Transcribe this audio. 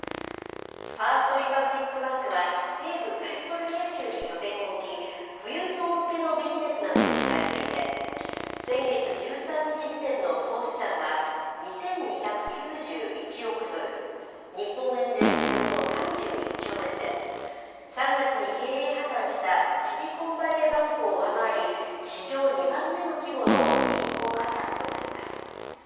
ファースト・リパブリック・バンクは西部カリフォルニア州に拠点を置き、富裕層向けのビジネスなどで知られていて、先月１３日時点の総資産は２２９１億ドル、日本円でおよそ３１兆円で、３月に経営破綻したシリコンバレーバンクを上回り、史上２番目の規模の銀行破綻となります。